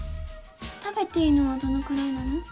食べていいのはどのくらいなの？